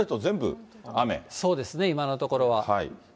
そうですね、今のところは。